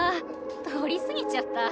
取り過ぎちゃった。